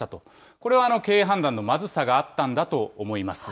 これは経営判断のまずさがあったんだと思います。